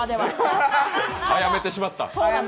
あやめてしまった。